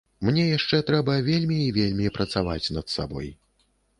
Мне яшчэ трэба вельмі і вельмі працаваць над сабой.